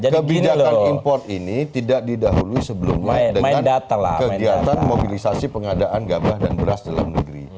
kebijakan import ini tidak didahului sebelumnya dengan kegiatan mobilisasi pengadaan gabah dan beras dalam negeri